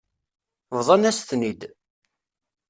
Bḍan-asen-ten-id.